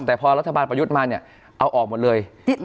แต่พอรัฐบาลประยุทธ์มาเนี่ยเอาออกหมดเลย